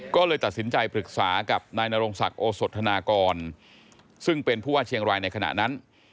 ก็เลยตัดสินใจปรึกษากับนายนรงศักดิ์โอสธนากรซึ่งเป็นผู้ว่าเชียงรายในขณะนั้น